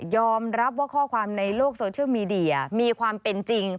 อมรับว่าข้อความในโลกโซเชียลมีเดียมีความเป็นจริง